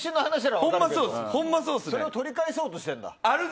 あのときのそれを取り返そうとしているんだ。